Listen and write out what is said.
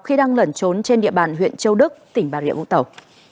khi đang lẩn trốn trên địa bàn huyện châu đức tỉnh bà rịa vũng tàu